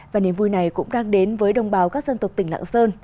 và niềm vui này cũng đang đến với đồng bào các dân tộc tỉnh lạng sơn